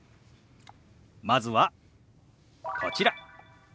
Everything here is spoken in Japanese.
まずはこちら。